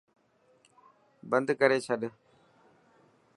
بند ڪري ڇڏ.